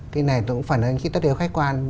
cái này cũng phải là những cái tất yếu khách quan